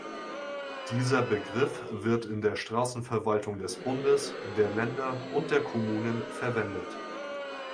Dieser Begriff wird in der Straßenverwaltung des Bundes, der Länder und der Kommunen verwendet.